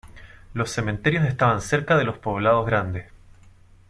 Los cementerios estaban cerca de los poblados grandes.